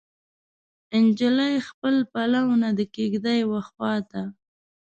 نجلۍ خپل پلونه د کیږدۍ وخواته